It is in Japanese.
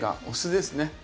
お酢ですね。